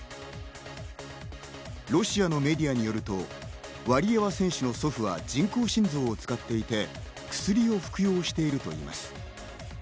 ロシアのメディアによると、ワリエワ選手の祖父は人工心臓を使っていて、薬を服用しているといいます。